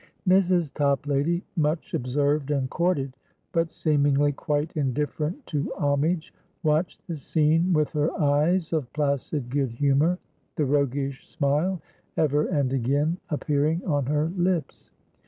Mrs. Toplady, much observed and courted, but seemingly quite indifferent to homage, watched the scene with her eyes of placid good humour, the roguish smile ever and again appearing on her lips.